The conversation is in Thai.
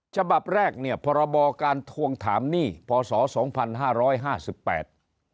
ฉบับแรกเนี่ยประบอการทวงถามหนี้พศ๒๕๕๐บาท